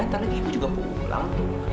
nanti ibu juga pulang